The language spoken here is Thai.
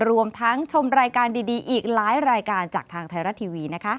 รวมทั้งชมรายการดีอีกหลายรายการจากทางไทยรัฐทีวี